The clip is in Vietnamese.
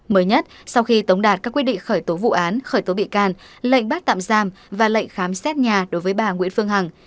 mới nhất sau khi tống đạt các quyết định khởi tố vụ án khởi tố bị can lệnh bắt tạm giam và lệnh khám xét nhà đối với bà nguyễn phương hằng